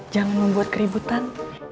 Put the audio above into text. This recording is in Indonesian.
jangan membuat keributan